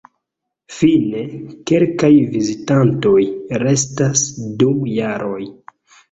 Fine, kelkaj "vizitantoj" restas dum jaroj.